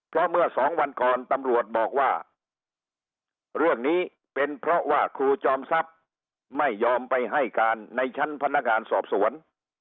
เพราะเมื่อสองวันก่อนตำรวจบอกว่าเรื่องนี้เป็นเพราะว่าครูจอมทรัพย์ไม่ยอมไปให้การในชั้นพนักงานสอบสวน